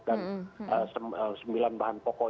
dan sembilan bahan pokok